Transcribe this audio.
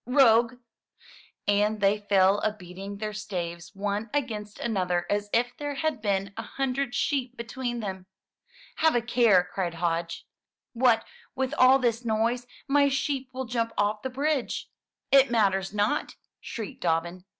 "Rogue!" And they fell a beating their staves one against another as if there had been an hundred sheep between them. "Have a care!" cried Hodge. "What with all this noise, my sheep will jump off the bridge!" "It matters not!" shrieked Dobbin.